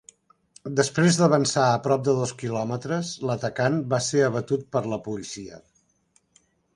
Després d'avançar a prop de dos quilòmetres, l'atacant va ser abatut per la policia.